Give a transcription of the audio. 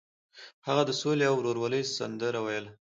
هغه د سولې او ورورولۍ سندره ویله.